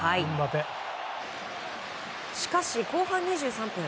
しかし後半２３分。